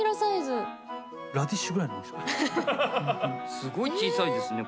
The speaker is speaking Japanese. すごい小さいですねこれね。